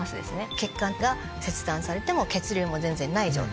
血管が切断されて血流も全然ない状態。